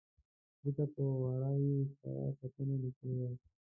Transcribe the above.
ځکه په ور ه یې کره کتنه لیکلې وه.